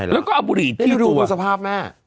แล้วก็เอาบุหรี่จี้ตัว